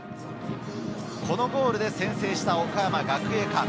このゴールで先制した岡山学芸館。